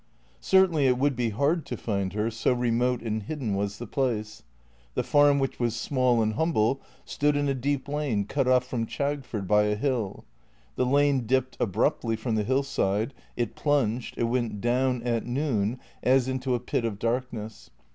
Certainly it would be hard to find her, so remote and hidden was the place. The farm, which was small and humble, stood in a deep lane cut off from Chagford by a hill. The lane dipped abruptly from the hillside; it plunged; it went down, at noon, as into a pit of darkness.